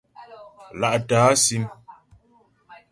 Lá'tə̀ á sim.